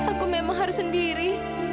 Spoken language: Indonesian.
aku memang harus sendiri